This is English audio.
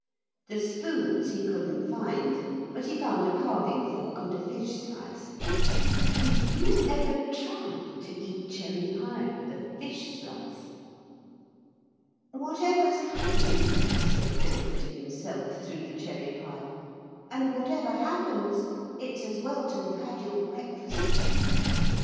The spoons he couldn't find, but he found a carving fork and a fish slice. Did you ever try to eat cherry pie with a fish slice? 'Whatever's happened,' said Philip to himself, through the cherry pie, 'and whatever happens it's as well to have had your breakfast.'